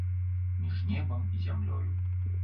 Між небам і зямлёю.